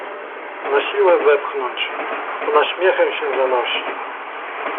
Na siłę wepchnąć, ona śmiechem się zanosi